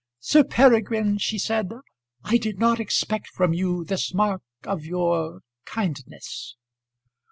"Sir Peregrine," she said, "I did not expect from you this mark of your kindness."